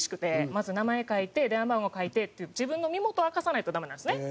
まず名前書いて電話番号書いてっていう自分の身元を明かさないとダメなんですね。